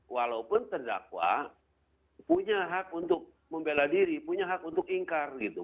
walaupun terdakwa punya hak untuk membela diri punya hak untuk ingkar gitu